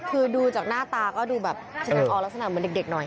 คือดูจากหน้าตาก็ดูแบบแสดงออกลักษณะเหมือนเด็กหน่อย